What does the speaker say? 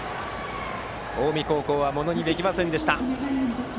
近江高校はものにできませんでした。